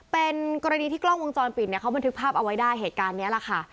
เป็นกรณีที่กล้องวงจรปิดเนี่ยเขาบันทึกภาพเอาไว้ได้เหตุการณ์นี้แหละค่ะ